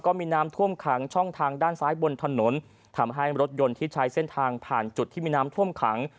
มีน้ำท่วมขังช่องทางด้านซ้ายบนถนนทำให้รถยนต์ที่ใช้เส้นทางผ่านจุดที่มีน้ำท่วมขัง